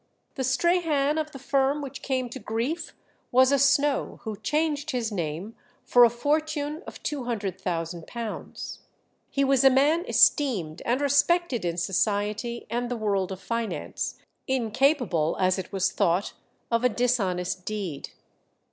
The Strahan of the firm which came to grief was a Snow who changed his name for a fortune of £200,000; he was a man esteemed and respected in society and the world of finance, incapable as it was thought of a dishonest deed.